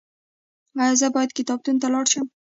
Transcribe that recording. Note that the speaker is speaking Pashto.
ایا زه باید کتابتون ته لاړ شم؟